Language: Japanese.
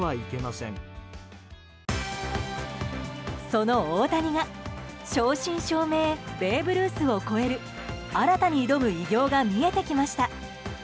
その大谷が正真正銘ベーブ・ルースを超える新たに挑む偉業が見えてきました。